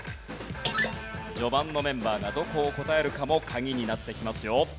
序盤のメンバーがどこを答えるかも鍵になってきますよ。